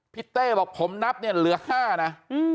เต้บอกผมนับเนี่ยเหลือ๕นะ